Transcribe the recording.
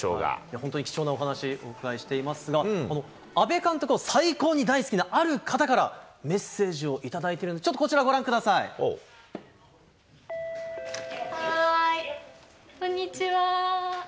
本当に貴重なお話、お伺いしていますが、阿部監督が最高に大好きなある方からメッセージを頂いているので、こんにちは。